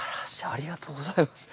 ありがとうございます。